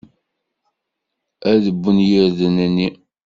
Ad wwen yirden-nni.